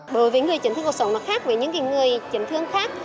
bởi vì người chấn thương cuộc sống nó khác với những người chấn thương khác